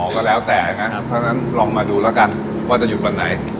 ก็แล้วแต่นะครับเพราะฉะนั้นลองมาดูแล้วกันว่าจะหยุดวันไหน